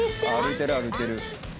歩いてる歩いてる。